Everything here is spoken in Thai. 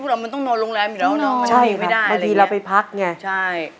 อำอย่างไงคะ